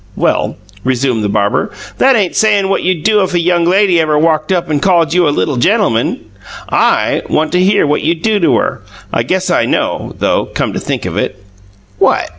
"Well," resumed the barber, "that ain't sayin' what you'd do if a young lady ever walked up and called you a little gentleman. I want to hear what you'd do to her. I guess I know, though come to think of it." "What?"